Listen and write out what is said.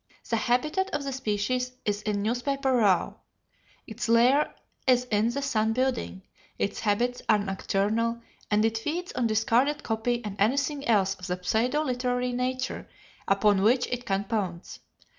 The habitat of the species is in Newspaper Row; its lair is in the Sun building, its habits are nocturnal, and it feeds on discarded copy and anything else of a pseudo literary nature upon which it can pounce.